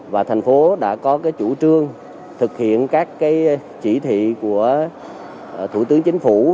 và thành phố đã có chủ trương thực hiện các chỉ thị của thủ tướng chính phủ